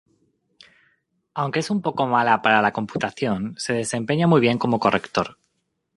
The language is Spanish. Aunque es un poco mala para la computación, se desempeña muy bien como Corrector.